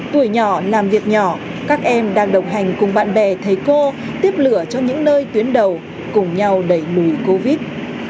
tuổi nhỏ làm việc nhỏ các em đang đồng hành cùng bạn bè thầy cô tiếp lửa cho những nơi tuyến đầu cùng nhau đẩy lùi covid